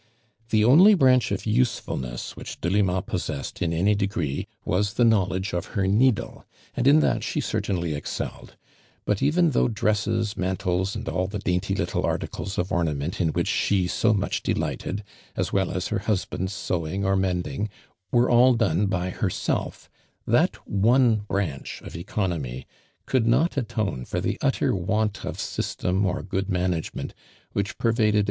The only branch of usefulness which Dc lima possessed in any degree was the know ledge of her needle, and in that she cer tainly excelled ; but even though dresses, mantles and all the dainty little articles of ornament in which she so much delighted, as W(^ll as her husband's sewing or mending, were all done l)y herself, that one branch of economy could not atone for the utter want ol" system or good minagement which per vaiknl («.